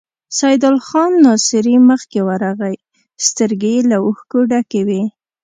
سيدال خان ناصري مخکې ورغی، سترګې يې له اوښکو ډکې وې.